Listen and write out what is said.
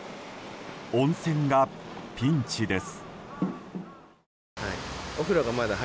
温泉がピンチです。